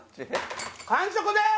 完食です！